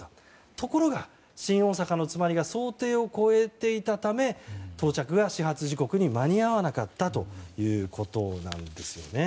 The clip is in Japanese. ところが新大阪の詰まりが想定を超えていたため到着が始発時刻に間に合わなかったということです。